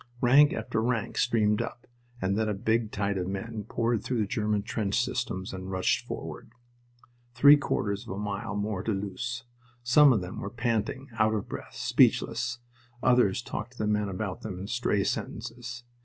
Rank after rank streamed up, and then a big tide of men poured through the German trench systems and rushed forward. Three quarters of a mile more to Loos. Some of them were panting, out of breath, speechless. Others talked to the men about them in stray sentences.